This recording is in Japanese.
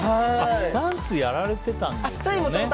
ダンスやられてたんですもんね。